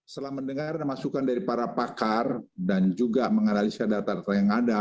setelah mendengar masukan dari para pakar dan juga menganalisa data data yang ada